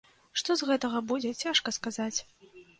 Што з гэтага будзе, цяжка сказаць.